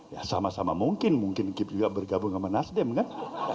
ya sama sama mungkin mungkin kip juga bergabung sama nasdem kan